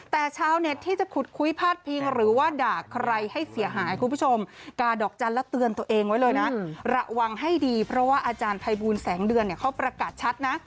แต่ชาวเน็ตที่จะขุดคุยพาดพิงหรือว่าด่าใครให้เสียหายคุณผู้ชมกาดอกจันทร์แล้วเตือนตัวเองไว้เลยนะระวังให้ดีเพราะว่าอาจารย์ภัยบูลแสงเดือนเนี่ยเขาประกาศชัดนะ